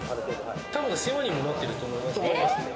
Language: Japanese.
たぶん世話にもなってると思いますよ。